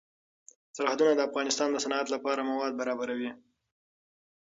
سرحدونه د افغانستان د صنعت لپاره مواد برابروي.